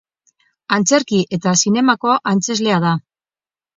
Antzerki eta zinemako antzezlea da.